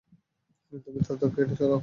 তুমি তার ত্বক কেটে সরাও।